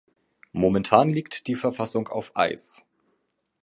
Momentan liegt die Verfassung auf Eis.